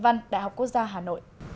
trường đại học quốc gia hà nội